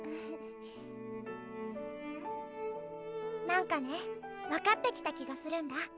何かね分かってきた気がするんだ。